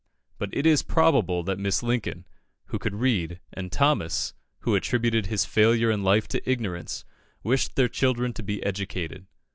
But it is probable that Mrs. Lincoln, who could read, and Thomas, who attributed his failure in life to ignorance, wished their children to be educated.